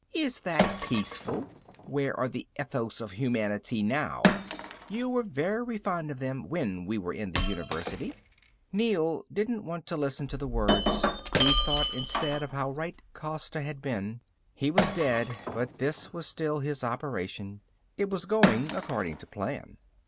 Is that peaceful? Where are the ethos of humanism now, you were very fond of them when we were in the University!" Neel didn't want to listen to the words, he thought instead of how right Costa had been. He was dead, but this was still his operation. It was going according to plan.